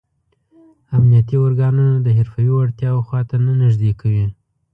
امنیتي ارګانونه د حرفوي وړتیاو خواته نه نږدې کوي.